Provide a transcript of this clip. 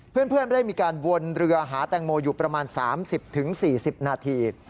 เพื่อนได้มีการวนเรือหาแตงโมอยู่ประมาณ๓๐๔๐นาที